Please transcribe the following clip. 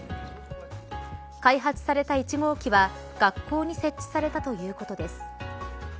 開発された１号機は学校に設置されたということです。